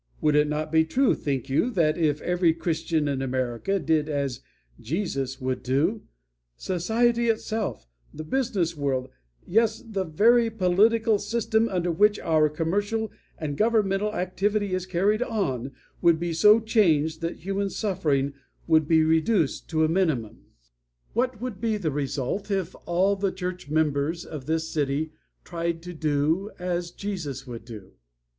Would it not be true, think you, that if every Christian in America did as Jesus would do, society itself, the business world, yes, the very political system under which our commercial and governmental activity is carried on, would be so changed that human suffering would be reduced to a minimum? "What would be the result if all the church members of this city tried to do as Jesus would do?